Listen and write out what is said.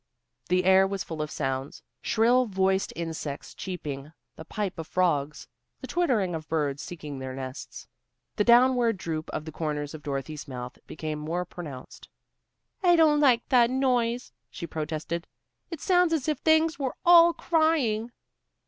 The air was full of sounds, shrill voiced insects cheeping, the pipe of frogs, the twittering of birds seeking their nests. The downward droop of the corners of Dorothy's mouth became more pronounced. "I don't like that noise," she protested. "It sounds as if things were all crying."